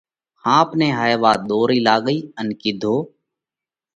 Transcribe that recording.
ۿاپ نئہ هائي وات ۮورئي لاڳئِي ان ڪِيڌو: